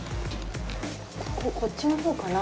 こっちのほうかな？